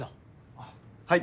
あっはい。